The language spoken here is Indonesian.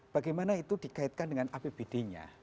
bagaimana itu dikaitkan dengan apbd nya